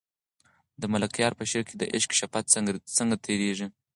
د ملکیار په شعر کې د عشق شپه څنګه تېرېږي؟